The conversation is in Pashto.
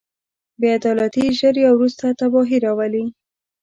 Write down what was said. بې عدالتي ژر یا وروسته تباهي راولي.